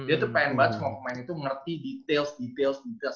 dia tuh pengen banget semua pemain itu mengerti details details details